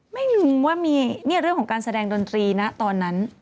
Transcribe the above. ไม่รู้ว่ามีเรื่องของการแสดงดนตรีนะตอนนั้น